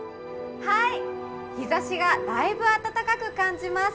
はい日ざしがだいぶ暖かく感じます。